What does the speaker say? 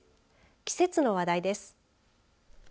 季節の話題です。